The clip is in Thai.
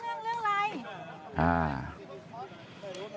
เรื่องอะไร